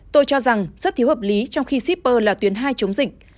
tôi cho rằng rất thiếu hợp lý trong khi shipper là tuyến hai chống dịch